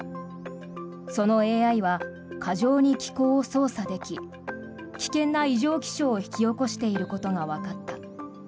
そのＡＩは過剰に気候を操作でき危険な異常気象を引き起こしていることがわかった。